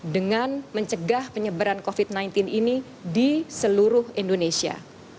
dengan mencegah penyebaran covid sembilan belas ini di seluruh indonesia